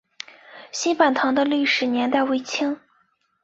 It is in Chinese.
新坂堂的历史年代为清。